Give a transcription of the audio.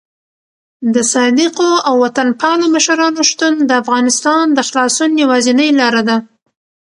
د صادقو او وطن پالو مشرانو شتون د افغانستان د خلاصون یوازینۍ لاره ده.